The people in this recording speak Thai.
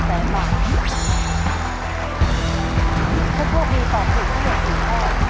ถ้าตอบถูกของข้อรับ๑๐๐๐๐๐๐บาท